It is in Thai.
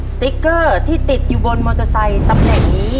สติ๊กเกอร์ที่ติดอยู่บนมอเตอร์ไซค์ตำแหน่งนี้